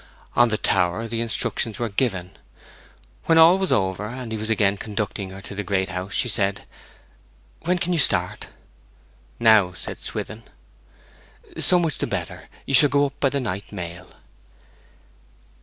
On the tower the instructions were given. When all was over, and he was again conducting her to the Great House she said 'When can you start?' 'Now,' said Swithin. 'So much the better. You shall go up by the night mail.'